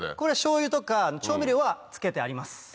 しょうゆとか調味料はつけてあります。